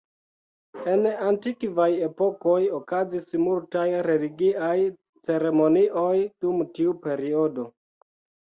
En antikvaj epokoj, okazis multaj religiaj ceremonioj dum tiu periodo.